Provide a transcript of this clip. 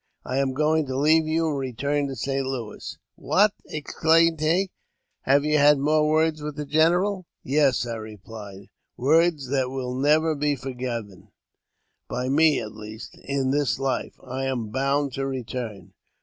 I am going to leave you, and return to St. Louis." " What !" exclaimed he, "have you had more words with the general ?"" Yes," I replied, " words that will never be forgiven — by me, at least, in this life. I am bound to return."